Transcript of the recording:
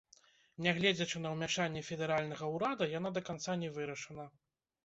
Нягледзячы на ўмяшанне федэральнага ўрада, яна да канца не вырашана.